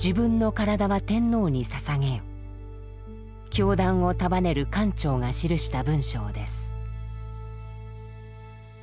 教団を束ねる管長が記した文章です。